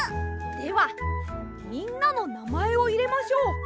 ではみんなのなまえをいれましょう。